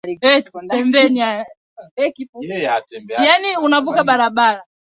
Mtu anashinda nini?